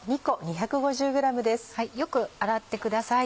よく洗ってください。